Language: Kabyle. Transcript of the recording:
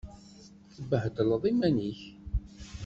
Tebbhedleḍ iman-ik.